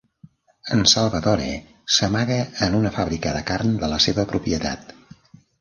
En Salvatore s'amaga en una fàbrica de carn de la seva propietat.